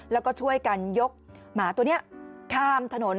แล้วก็ช่วยกันยกหมาตัวนี้ข้ามถนน